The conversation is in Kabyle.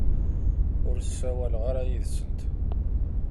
Ur ssawaleɣ ara yid-sent.